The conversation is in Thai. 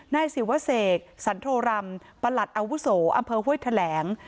นายสิวเศกสันโทรมประหลัดอาวุโศอำเภอเฮ้ยแถแหลง